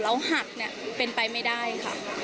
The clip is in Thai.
แล้วหักเนี่ยเป็นไปไม่ได้ค่ะ